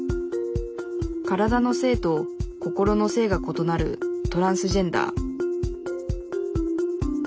体の性と心の性がことなるトランスジェンダー。